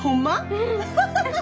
うん！